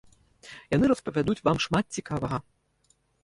Яны распавядуць вам шмат цікавага.